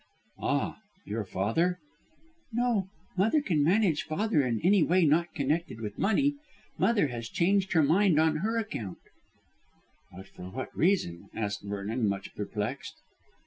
"Ah, your father?" "No. Mother can manage father in any way not connected with money. Mother has changed her mind on her own account." "But for what reason?" asked Vernon, much perplexed.